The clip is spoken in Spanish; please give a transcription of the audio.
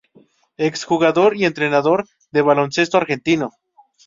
Exjugador y entrenador de baloncesto argentino.